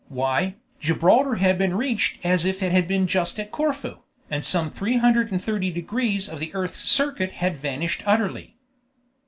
Why, Gibraltar had been reached as if it had been just at Corfu, and some three hundred and thirty degrees of the earth's circuit had vanished utterly.